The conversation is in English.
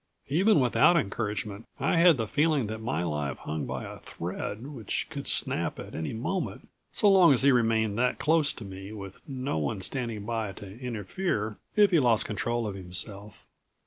Even without encouragement I had the feeling that my life hung by a thread which could snap at any moment, so long as he remained that close to me with no one standing by to interfere if he lost control of himself.